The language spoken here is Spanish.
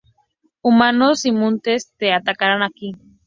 Humanos y mutantes te atacarán aquí.